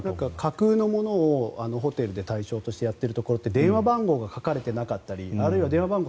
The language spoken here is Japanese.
架空のものをホテルで対象としてやっているところって電話番号が書かれてなかったりあるいは電話番号